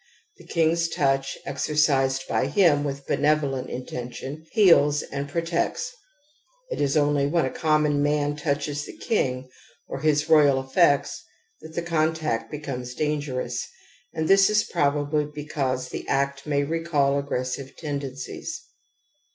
The king's touch, exer cised by him with benevolent intention, heals and protects ; it is only when a common man touches the king or his royal effects that the contact becomes dangerous, and this is probably because the act may recall aggressive tendencies.